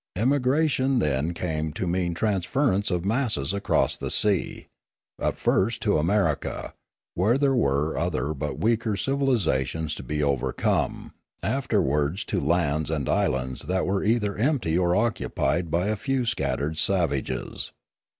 Emigration then came to mean transference of masses across the sea, at first to America, where there were other but weaker civilisations to be over come, afterwards to lands and islands that were either empty or occupied by a few scattered savages.